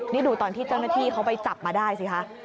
นี่ดูตอนที่เจ้าหน้าที่เขาไปจับมาได้สิคะ